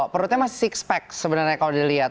perutnya masih six pack sebenarnya kalau dilihat